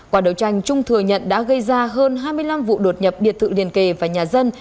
quả đấu tranh trung thừa nhận đã gây ra hơn hai mươi năm vụ đột nhập biệt thự liền kề và nhà dân